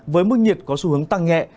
với mức nhiệt có xu hướng tăng nhẹ